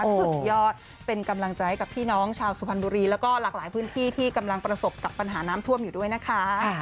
สุดยอดเป็นกำลังใจให้กับพี่น้องชาวสุพรรณบุรีแล้วก็หลากหลายพื้นที่ที่กำลังประสบกับปัญหาน้ำท่วมอยู่ด้วยนะคะ